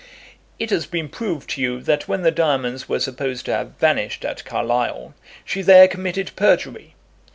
"It has been proved to you that when the diamonds were supposed to have vanished at Carlisle, she there committed perjury.